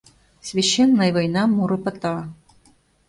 «Священная война» муро пыта.